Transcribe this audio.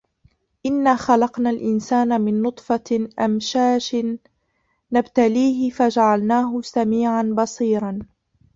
إِنّا خَلَقنَا الإِنسانَ مِن نُطفَةٍ أَمشاجٍ نَبتَليهِ فَجَعَلناهُ سَميعًا بَصيرًا